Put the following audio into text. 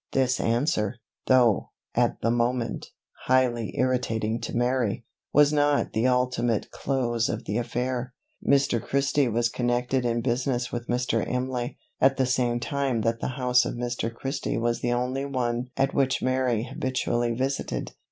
This answer, though, at the moment, highly irritating to Mary, was not the ultimate close of the affair. Mr. Christie was connected in business with Mr. Imlay, at the same time that the house of Mr. Christie was the only one at which Mary habitually visited.